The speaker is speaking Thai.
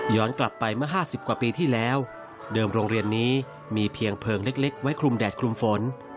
กลับไปเมื่อ๕๐กว่าปีที่แล้วเดิมโรงเรียนนี้มีเพียงเพลิงเล็กไว้คลุมแดดคลุมฝน